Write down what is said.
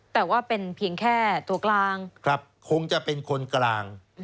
แต่ว่าเป็นเพียงแค่ตัวกลางครับคงจะเป็นคนกลาง